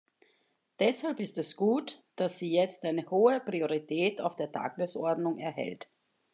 Deshalb ist es gut, dass sie jetzt ein hohe Priorität auf der Tagesordnung erhält.